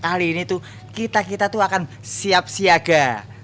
kali ini tuh kita kita tuh akan siap siaga